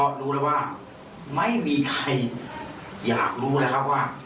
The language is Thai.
รู้แล้วว่าไม่มีใครอยากรู้แล้วครับว่า